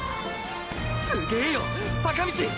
すげぇよ坂道！！